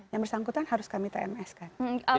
yang bersangkutan harus kami tms kan